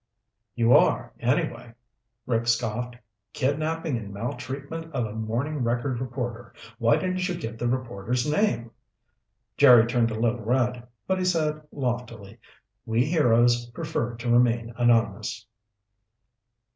"You are, anyway," Rick scoffed. "'Kidnapping and maltreatment of a Morning Record reporter.' Why didn't you give the reporter's name?" Jerry turned a little red, but he said loftily, "We heroes prefer to remain anonymous."